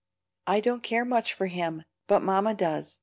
"I don't care much for him, but Mamma does.